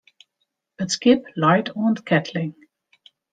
It skip leit oan 't keatling.